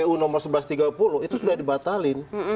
kpu nomor seribu satu ratus tiga puluh itu sudah dibatalin